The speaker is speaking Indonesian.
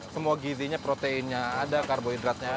semua gizinya proteinnya ada karbohidratnya